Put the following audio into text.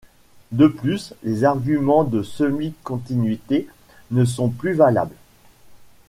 De plus, les arguments de semi-continuité ne sont plus valables.